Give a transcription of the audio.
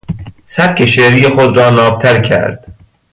سبک شعری خود را نابتر کرد.